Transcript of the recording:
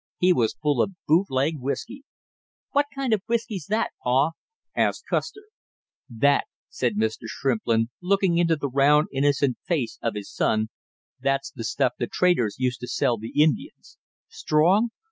He was full of boot leg whisky " "What kind of whisky's that, pa?" asked Custer. "That," said Mr. Shrimplin, looking into the round innocent face of his son, "that's the stuff the traders used to sell the Indians. Strong?